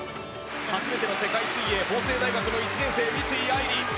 初めての世界水泳法政大学１年生の三井愛梨。